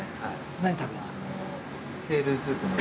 何食べるんですか？